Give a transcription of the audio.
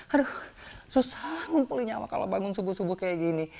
aduh susah ngumpulin nyawa kalau bangun subuh subuh kayak gini